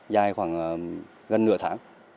dài khoảng gần nửa tháng